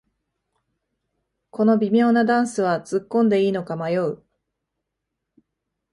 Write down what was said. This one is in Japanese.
この微妙なダンスはつっこんでいいのか迷う